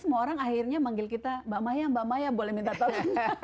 semua orang akhirnya manggil kita mbak maya mbak maya boleh minta tolong